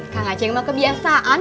kang aceh emang kebiasaan